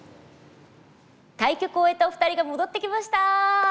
対局を終えたお二人が戻ってきました！